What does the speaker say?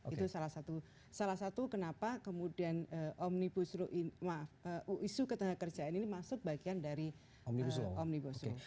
itu salah satu kenapa kemudian isu ketenagakerjaan ini masuk bagian dari umnibusu